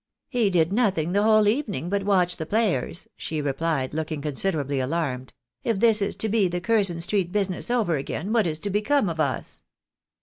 " He did nothing the whole evening but watch the players," she replied, looking considerably alarmed. " If this is to be the Curzon street business over again, what is to become ofus?"